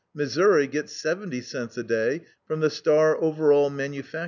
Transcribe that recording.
Missouri gets 70 cents a day from the Star Overall Mfg.